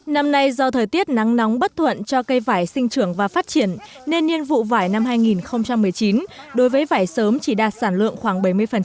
năm nay do thời tiết nắng nóng bất thuận cho cây vải sinh trưởng và phát triển nên nhiên vụ vải năm hai nghìn một mươi chín đối với vải sớm chỉ đạt sản lượng khoảng bảy mươi